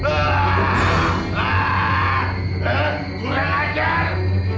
aku tidak akan menyerangmu